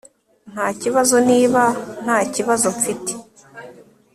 Ntakibazo niba nta kibazo mfite